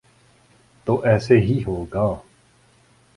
تو ایسے ہی ہوگا۔